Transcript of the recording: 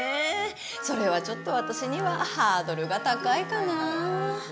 それはちょっと私にはハードルが高いかな。